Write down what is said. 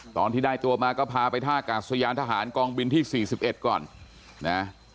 ตอนที่ได้ตัวมาก็พาไปท่ากาศยานทหารกองบินที่๔๑ก่อนนะ